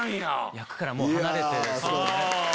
役からもう離れて。